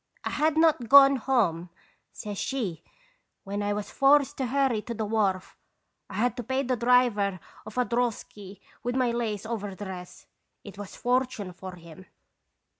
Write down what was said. "' I had not gone home/ says she, * when I was forced to hurry to the wharf. 'I had to pay the driver of a droski with my lace over dress. It was a fortune for him.'